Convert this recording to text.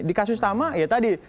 di kasus lama ya tadi